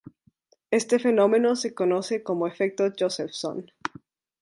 Este fenómeno se conoce como efecto Josephson.